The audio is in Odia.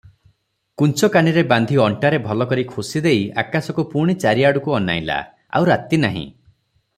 କୁଞ୍ଚକାନିରେ ବାନ୍ଧି ଅଣ୍ଟାରେ ଭଲ କରି ଖୋଷିଦେଇ ଆକାଶକୁ ପୁଣି ଚାରିଆଡ଼କୁ ଅନାଇଲା, ଆଉ ରାତି ନାହିଁ ।